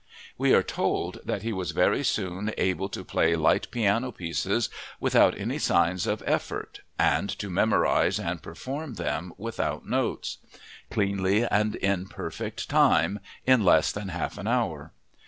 We are told that he was very soon able to play light piano pieces without any signs of effort and to memorize and perform them without notes, "cleanly and in perfect time," in less than half an hour.